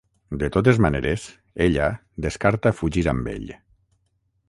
De totes maneres ella descarta fugir amb ell.